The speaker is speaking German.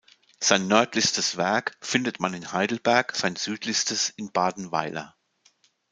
Sein nördlichstes Werk findet man in Heidelberg, sein südlichstes in Badenweiler.